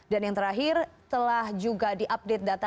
dan yang terakhir telah juga diupdate data